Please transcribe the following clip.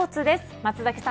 松崎さん